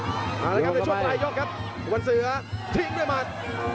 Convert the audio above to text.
เอาละครับในช่วงปลายยกครับวันเสือทิ้งด้วยมัด